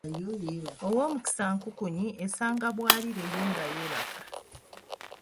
Owoomukisa nkukunyi, esanga bwalire nga yo yeebaka!